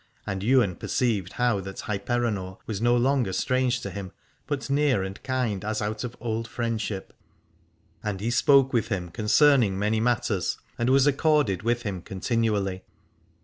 And Ywain perceived how that Hyperenor was no longer strange to him, but near and kind as out of old friendship : and he spoke with him concerning many matters, and was 224 Alad ore accorded with him continually.